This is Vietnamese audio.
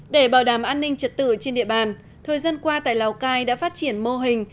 để bảo đảm an ninh trật tự trên địa bàn thời gian qua tại lào cai đã phát triển mô hình